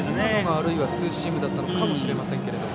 あるいは今のがツーシームだったかもしれません。